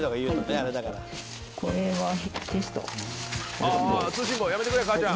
ああ通信簿やめてくれ母ちゃん！